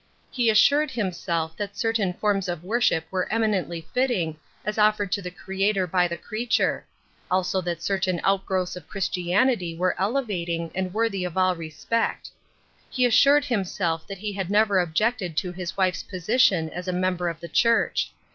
He assured himself that certain forms of worship were eminently fit ting as offered to the Creator by the creature ; also that certain outgrowths of Christianity were elevating and worthy of all respect. He assured himself that he had never objected to his wife's position as a member of the church.